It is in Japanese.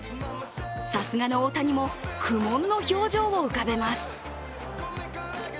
さすがの大谷も苦もんの表情を浮かべます。